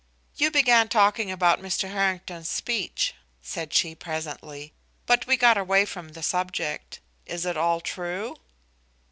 "You began talking about Mr. Harrington's speech," said she presently, "but we got away from the subject. Is it all true?"